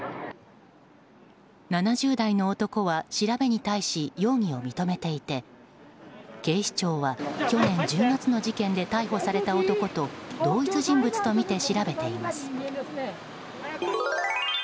７０代の男は、調べに対し容疑を認めていて警視庁は去年１０月の事件で逮捕された男と同一人物とみて調べています。